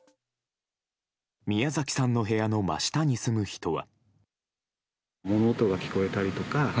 宮崎さんの部屋の真下に住む人は。